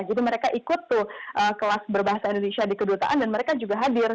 jadi mereka ikut tuh kelas berbahasa indonesia di kedutaan dan mereka juga hadir